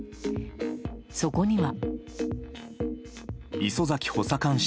そこには。